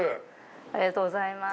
ありがとうございます。